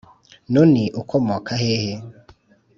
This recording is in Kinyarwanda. Nuni akomoka hehe